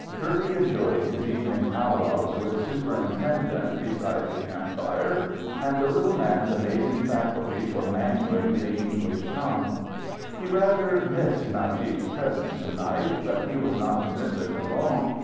Kirby enjoyed his evening powwows with superintendent beside the campfire; and the little man's amazing faculty for mangling the English tongue. He rather missed Najib's presence to night. But he was not to miss it for long.